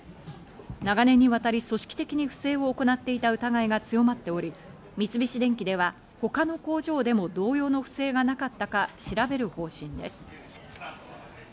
長年にわたり組織的に不正を行っていた疑いが強まっており、三菱電機では他の工場でも同様の不正がなかったか調べる方針です。